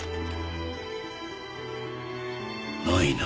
ないな。